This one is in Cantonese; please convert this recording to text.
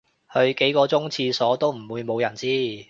去幾個鐘廁所都唔會無人知